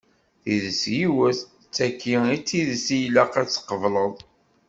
Tidet yiwet, d tagi i d tidet ilaq ad tt-tqebleḍ.